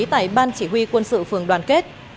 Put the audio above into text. tại ban chỉ huy quân sự phường đoàn kết